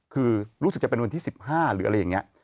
คือรู้สึกจะเป็นวันที่๑๕หรืออะไรอย่างนี้